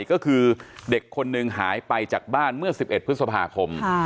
ก็คือเด็กคนนึงหายไปจากบ้านเมื่อสิบเอ็ดพฤษภาคมค่ะ